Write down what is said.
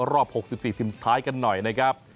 รอบ๖๔ทีมสุดท้ายกันหน่อยนะครับ